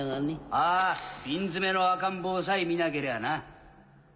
ああ瓶詰めの赤ん坊さえ見なけりゃな。